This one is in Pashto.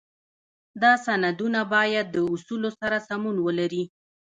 دا سندونه باید د اصولو سره سمون ولري.